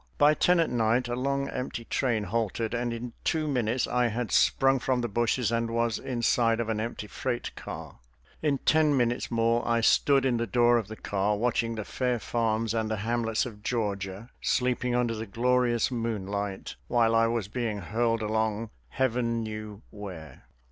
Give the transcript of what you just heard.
By ten at night a long, empty train halted, and in two minutes I had sprung from the bushes and was inside of an empty freight car. In ten minutes more I stood in the door of the car watching the fair farms and the hamlets of Georgia sleeping under the glorious moonlight, while I was being hurled along heaven knew where.